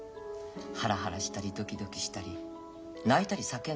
ハラハラしたりドキドキしたり泣いたり叫んだり。